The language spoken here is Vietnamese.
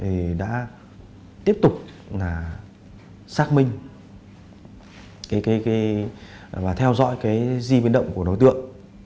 thì đã tiếp tục là xác minh và theo dõi cái di biến động của đối tượng